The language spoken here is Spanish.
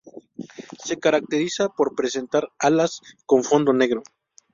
Se caracteriza por presentar alas con fondo negro.